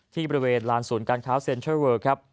ที่บริเวณลานศูนย์การเค้าเซ็นเทิลเวิร์ก